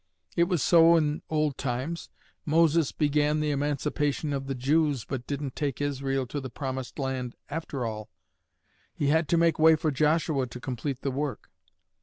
It was so in old times; Moses began the emancipation of the Jews, but didn't take Israel to the Promised Land after all. He had to make way for Joshua to complete the work.